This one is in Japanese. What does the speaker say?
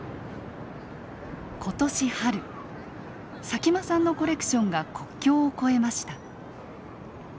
佐喜眞さんのコレクションが国境を越えました。